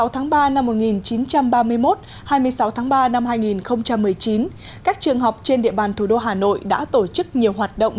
hai mươi tháng ba năm một nghìn chín trăm ba mươi một hai mươi sáu tháng ba năm hai nghìn một mươi chín các trường học trên địa bàn thủ đô hà nội đã tổ chức nhiều hoạt động